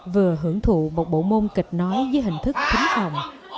vừa hưởng thụ một bộ môn kịch nói với hình thức tính phòng